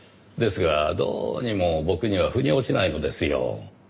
ですがどうにも僕には腑に落ちないのですよ。